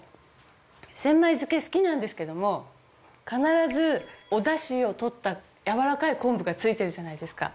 千枚漬け好きなんですけども必ずおだしをとったやわらかい昆布がついてるじゃないですか。